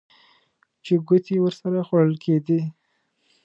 چې ګوتې ورسره خوړل کېدې.